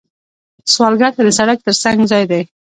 سوالګر ته د سړک تر څنګ ځای دی